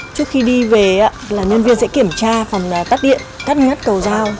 trước khi đi về nhân viên sẽ kiểm tra phòng tắt điện cắt ngắt cầu giao